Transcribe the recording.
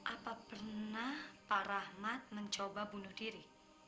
apa pernah pak rahmat mencoba bunuh diri